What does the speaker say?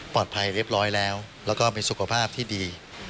ภัยเรียบร้อยแล้วแล้วก็เป็นสุขภาพที่ดี